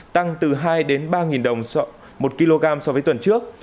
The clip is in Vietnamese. tăng từ hai ba đồng một kg so với tuần trước